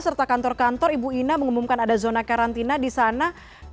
serta kantor kantor ibu ina mengumumkan ada zona karantina di sana